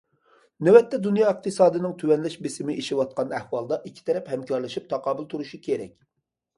نۆۋەتتە دۇنيا ئىقتىسادىنىڭ تۆۋەنلەش بېسىمى ئېشىۋاتقان ئەھۋالدا، ئىككى تەرەپ ھەمكارلىشىپ تاقابىل تۇرۇشى كېرەك.